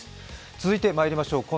続いてまいりましょう。